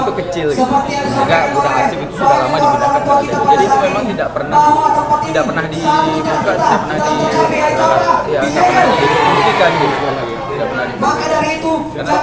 pun siap makanya kemarin cepat menunggu seharusnya satu maret beliau sudah pindah ke